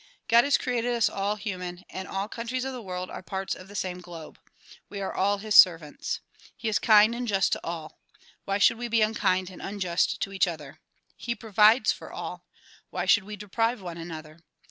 God has created us all human and all countries of the world are parts of the same globe. We are all his servants. He is kind and just to all. Why should we be unkind and unjust to each other? He provides for all. Why should we deprive one another